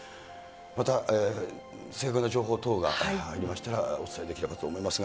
また、正確な情報等が入りましたら、お伝えできればと思いますが、